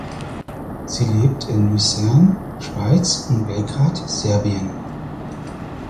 Sie lebt in Luzern (Schweiz) und Belgrad (Serbien).